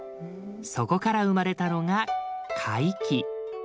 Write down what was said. そこから生まれたのが甲斐絹。